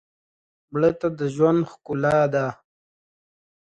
مړه ته د ژوند ښکلا ده